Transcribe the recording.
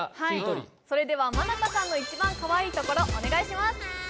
それでは真中さんの一番かわいいところお願いします